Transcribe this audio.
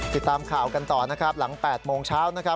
ติดตามข่าวกันต่อนะครับหลัง๘โมงเช้านะครับ